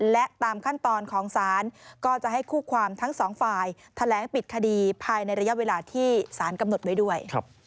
และตามขั้นตอนของศาลก็จะให้คู่ความทั้งสองฝ่ายแถลงปิดคดีภายในระยะเวลาที่สารกำหนดไว้ด้วย